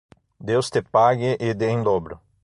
Deus te pague e dê em dobro